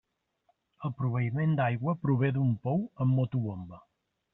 El proveïment d'aigua prové d'un pou amb motobomba.